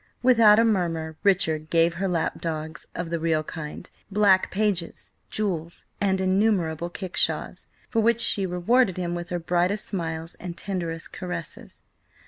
Without a murmur, Richard gave her lap dogs (of the real kind), black pages, jewels, and innumerable kickshaws, for which she rewarded him with her brightest smiles and tenderest caresses.